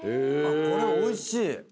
これおいしい。